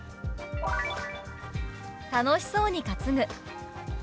「楽しそうに担ぐ」。